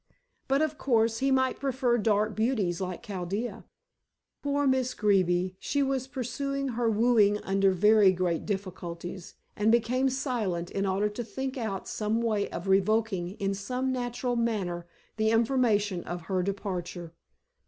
But, of course, he might prefer dark beauties like Chaldea. Poor Miss Greeby; she was pursuing her wooing under very great difficulties, and became silent in order to think out some way of revoking in some natural manner the information of her departure.